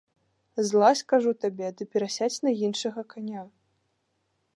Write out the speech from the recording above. Злазь, кажу табе, ды перасядзь на іншага каня.